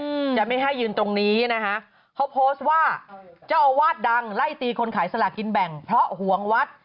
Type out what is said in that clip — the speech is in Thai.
อืมจะไม่ให้ยืนตรงนี้นะคะเขาโพสต์ว่าเจ้าอาวาสดังไล่ตีคนขายสลากินแบ่งเพราะห่วงวัด